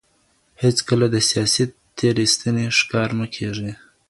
هيڅکله د سياسي تېرايستني ښکار مه کېږئ.